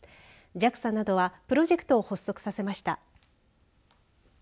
ＪＡＸＡなどはプロジェクトを発足させました。